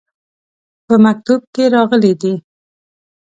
په مکتوب کې راغلي دي.